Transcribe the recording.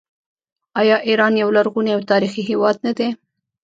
آیا ایران یو لرغونی او تاریخي هیواد نه دی؟